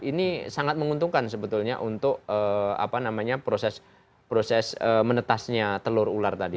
ini sangat menguntungkan sebetulnya untuk proses menetasnya telur ular tadi